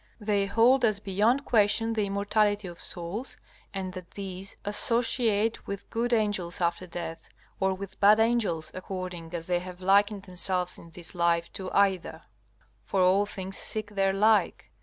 They hold as beyond question the immortality of souls, and that these associate with good angels after death, or with bad angels, according as they have likened themselves in this life to either. For all things seek their like.